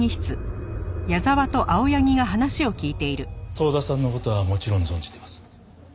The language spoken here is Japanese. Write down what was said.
遠田さんの事はもちろん存じています。